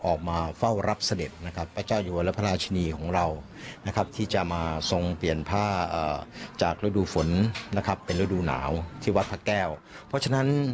ออกมาเฝ้ารับเสด็จนะครับประเจ้าจ